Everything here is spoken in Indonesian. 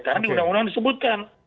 karena di undang undang disebutkan